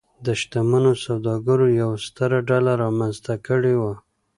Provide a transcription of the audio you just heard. د شتمنو سوداګرو یوه ستره ډله رامنځته کړې وه.